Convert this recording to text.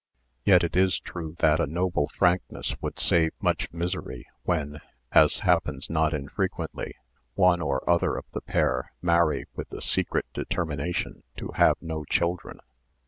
Yet it is true that a noble frank ness would save much misery when, as happens not 54 Married Love infrequently, one or other of the pair marry with the secret determination to have no children.